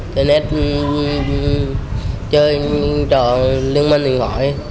trời nét chơi trò liên minh thì gọi